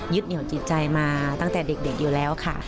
เหนียวจิตใจมาตั้งแต่เด็กอยู่แล้วค่ะ